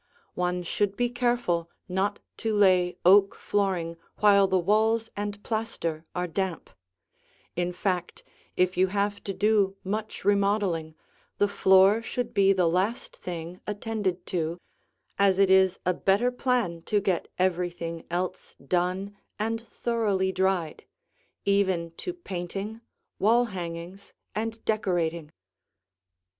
One should be careful not to lay oak flooring while the walls and plaster are damp; in fact, if you have to do much remodeling, the floor should be the last thing attended to, as it is a better plan to get everything else done and thoroughly dried even to painting, wall hangings, and decorating.